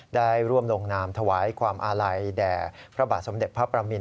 ได้ร่วมลงนามถวายความอาลัยแด่พระบาทสมเด็จพระประมิน